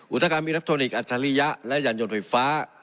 อุตกรรมอินัปโทนิกส์อัตรียะและหยั่นยนต์ไฟฟ้า